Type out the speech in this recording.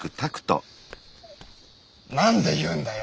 なんで言うんだよ！